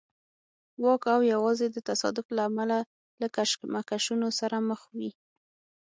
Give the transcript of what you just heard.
واک او یوازې د تصادف له امله له کشمکشونو سره مخ وي.